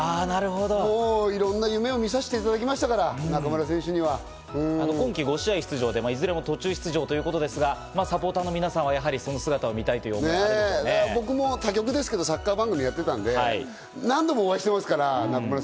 もういろんな夢を見させていただきましたから、中村選手には。今季５試合出場で、いずれも途中出場ということですが、サポーターの皆さん、その姿を見僕も他局ですけど、サッカーの番組をやっていたので、何度も中村選手にお会いしています。